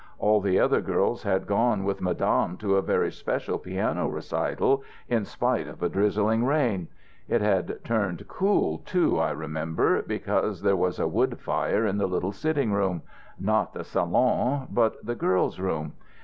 All the other girls had gone with Madame to a very special piano recital, in spite of a drizzling rain. It had turned cool, too, I remember, because there was a wood fire in the little sitting room not the salon, but the girls' room.